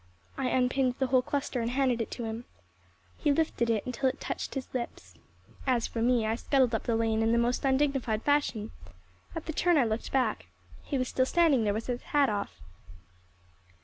I unpinned the whole cluster and handed it to him. He lifted it until it touched his lips. As for me, I scuttled up the lane in the most undignified fashion. At the turn I looked back. He was still standing there with his hat off.